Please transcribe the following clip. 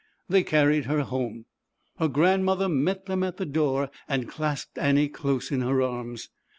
They carried her home. Her grand mother met them at the door and clasped Annie close in her arms.